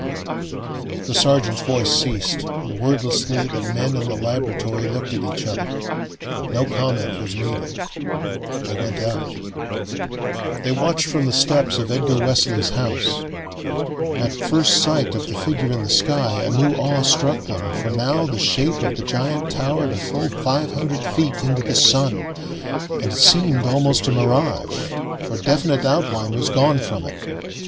The sergeant's voice ceased, and wordlessly the men in the laboratory looked at each other. No comment was needed. They went out. They watched from the steps of Edgar Wesley's house. At first sight of the figure in the sky, a new awe struck them, for now the shape of the giant towered a full five hundred feet into the sun, and it seemed almost a mirage, for definite outline was gone from it.